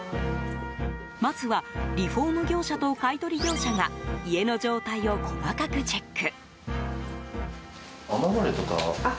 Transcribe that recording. まずはリフォーム業者と買い取り業者が家の状態を細かくチェック。